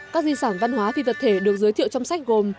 các di sản văn hóa phi vật thể được giới thiệu trong sách gồm